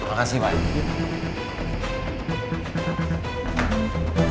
terima kasih pak